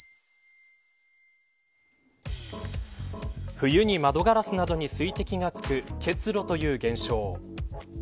冬に窓ガラスなどに水滴が付く結露という現象。